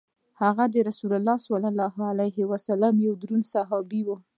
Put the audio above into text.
هغه د رسول کریم صلی الله علیه وسلم یو دروند صحابي وو.